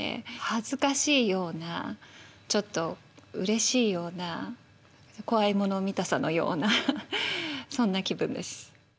恥ずかしいようなちょっとうれしいような怖いもの見たさのようなそんな気分です。